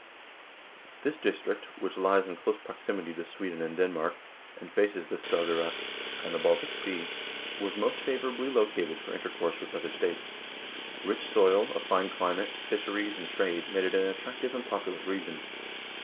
This district, which lies in close proximity to Sweden and Denmark, and faces the Skagerak and the Baltic Sea, was most favorably located for intercourse with other states. Rich soil, a fine climate, fisheries, and trade made it an attractive and populous region.